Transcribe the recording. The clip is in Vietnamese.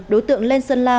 đối tượng lên sơn la